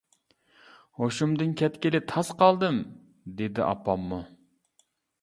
ھوشۇمدىن كەتكىلى تاس قالدىم، -دېدى ئاپاممۇ.